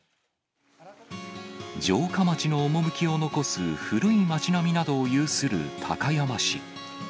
城下町の趣を残す古い町並みなどを有する高山市。